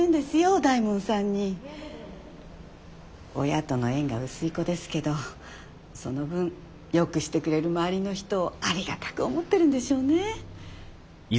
親との縁が薄い子ですけどその分よくしてくれる周りの人をありがたく思ってるんでしょうね。